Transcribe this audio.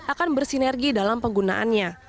akan bersinergi dalam penggunaannya